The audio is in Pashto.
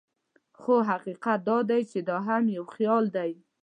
خو حقیقت دا دی چې دا هم یو خیال دی.